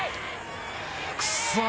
くそっ。